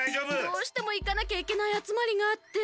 どうしてもいかなきゃいけないあつまりがあって。